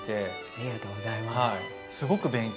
ありがとうございます。